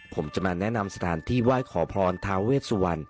ผมจะมาแนะนำสถานที่ไหว้ขอพรทาเวสวรรณ